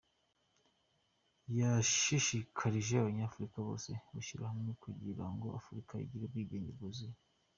Yashishikarije Abanyafurika bose gushyira hamwe kugira ngo Afurika igire ubwigenge bwuzuye.